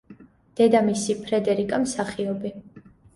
დედამისი, ფრედერიკა, მსახიობი.